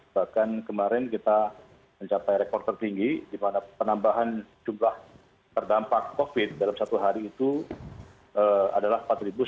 bahkan kemarin kita mencapai rekor tertinggi di mana penambahan jumlah terdampak covid dalam satu hari itu adalah empat sembilan ratus